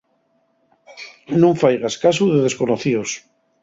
Nun faigas casu de desconocíos.